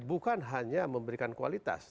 bukan hanya memberikan kualitas